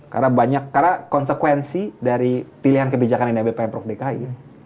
karena konsekuensi dari pilihan kebijakan nabp prof dki